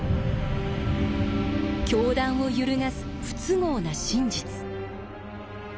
教団を揺るがす不都合な真実。